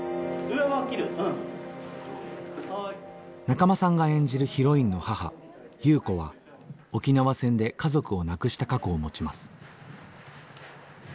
仲間さんが演じるヒロインの母優子は沖縄戦で家族を亡くした過去を持ちます。